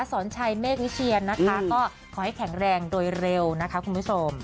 สอนชัยเมฆวิเชียนนะคะก็ขอให้แข็งแรงโดยเร็วนะคะคุณผู้ชม